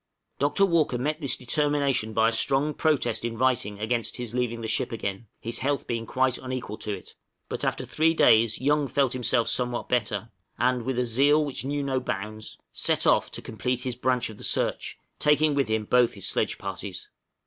Dr. Walker met this determination by a strong protest in writing against his leaving the ship again, his health being quite unequal to it; but after three days Young felt himself somewhat better, and, with a zeal which knew no bounds, set off to complete his branch of the search, taking with him both his sledge parties.